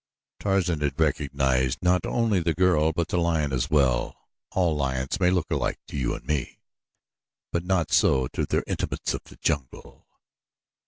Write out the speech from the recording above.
Tarzan had recognized not only the girl, but the lion as well. All lions may look alike to you and me; but not so to their intimates of the jungle.